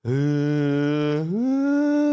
อืม